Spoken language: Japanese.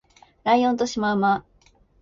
ライオンとシマウマ